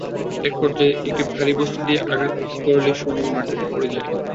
একপর্যায়ে একটি ভারী বস্তু দিয়ে আঘাত করলে সুমন মাটিতে পড়ে যায়।